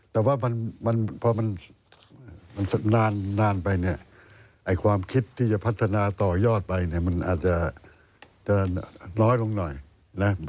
แต่ว่ามันความคิดที่จะพัฒนาต่อยอดไปมันอาจจะน้อยลงหน่อยน่ะ